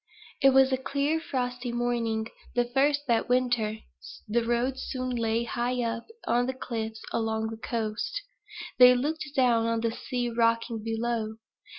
If was a clear, frosty morning; the first that winter. The road soon lay high up on the cliffs along the coast. They looked down on the sea rocking below.